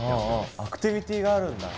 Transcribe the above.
アクティビティーがあるんだ。